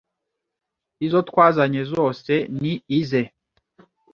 “Izo twazanye zose ni ize